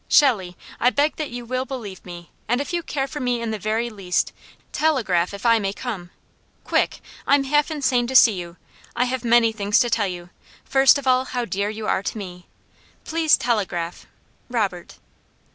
"'Shelley, I beg that you will believe me, and if you care for me in the very least, telegraph if I may come. Quick! I'm half insane to see you. I have many things to tell you, first of all how dear you are to me. Please telegraph. Robert.'"